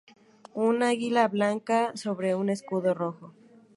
Un águila blanco sobre un escudo rojo.